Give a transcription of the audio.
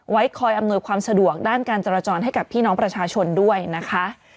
คอยอำนวยความสะดวกด้านการจราจรให้กับพี่น้องประชาชนด้วยนะคะ